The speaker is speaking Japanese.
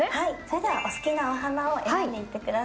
それではお好きなお花を選んでいってください。